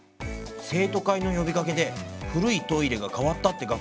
生徒会の呼びかけで古いトイレが変わったって学校もあるんだって。